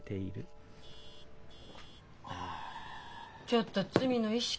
ちょっと罪の意識。